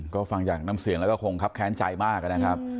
ก็ฟังจากน้ำเสียงแล้วก็คงครับแค้นใจมากนะครับ